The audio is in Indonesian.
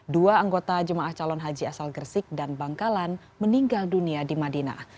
dua anggota jemaah calon haji asal gresik dan bangkalan meninggal dunia di madinah